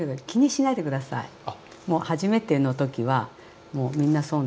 もう初めての時はもうみんなそうなので。